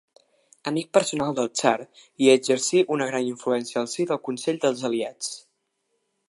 Amic personal del tsar, hi exercí una gran influència al si del Consell dels Aliats.